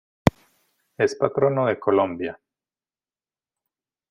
Es patrono de Colombia.